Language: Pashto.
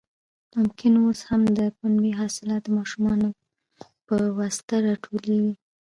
ممکن اوس هم د پنبې حاصلات د ماشومانو په واسطه راټولېږي.